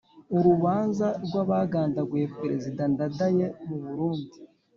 Urubanza rw'abagandaguye Perezida Ndadaye mu Burundi.